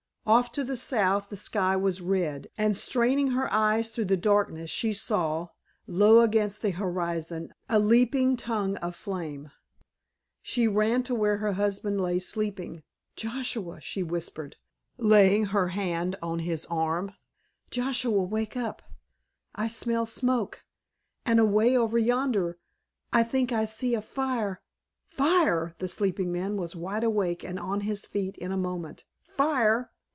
Off to the south the sky was red, and straining her eyes through the darkness she saw, low against the horizon, a leaping tongue of flame. She ran to where her husband lay sleeping. "Joshua," she whispered, laying her hand on his arm, "Joshua, wake up! I smell smoke, and away over yonder I think I see a fire——" "Fire!" the sleeping man was wide awake and on his feet in a moment. "Fire?